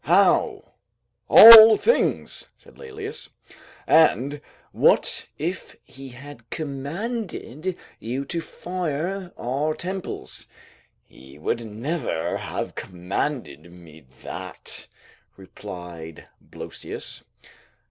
"How! All things!" said Laelius. "And what if he had commanded you to fire our temples?" "He would never have commanded me that," replied Blosius.